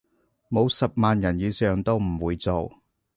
冇十萬人以上都唔會做